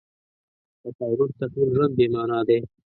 له تا وروسته ټول ژوند بې مانا دی.